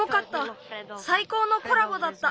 さいこうのコラボだった！